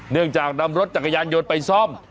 เนื่องจากนำรถจักรยานยนต์ไปซ่อม